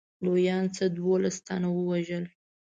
لویانو څخه دوولس تنه ووژل.